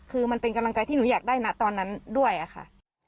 คือมันเป็นกำลังใจที่หนูอยากได้นะตอนนั้นด้วยค่ะ